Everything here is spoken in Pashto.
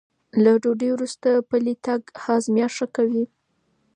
له ډوډۍ وروسته پلی تګ هاضمه ښه کوي.